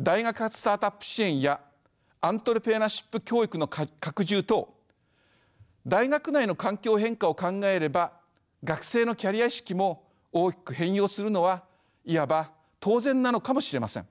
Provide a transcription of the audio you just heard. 大学発スタートアップ支援やアントレプレナーシップ教育の拡充等大学内の環境変化を考えれば学生のキャリア意識も大きく変容するのはいわば当然なのかもしれません。